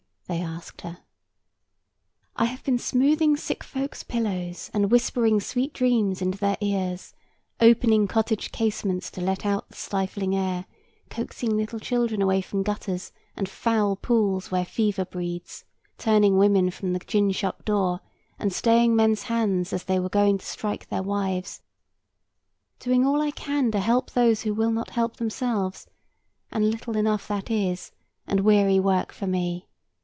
they asked her. "I have been smoothing sick folks' pillows, and whispering sweet dreams into their ears; opening cottage casements, to let out the stifling air; coaxing little children away from gutters, and foul pools where fever breeds; turning women from the gin shop door, and staying men's hands as they were going to strike their wives; doing all I can to help those who will not help themselves: and little enough that is, and weary work for me.